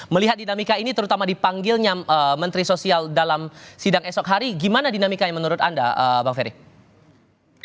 melihat dinamika ini terutama dipanggilnya menteri sosial dalam sidang esok hari gimana dinamikanya menurut anda bang ferry